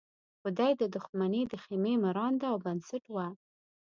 خدۍ د دښمنۍ د خېمې مرانده او بنسټ وه.